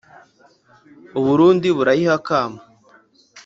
U Burundi burayiha akamo